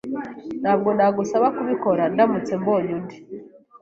Ntabwo nagusaba kubikora ndamutse mbonye undi.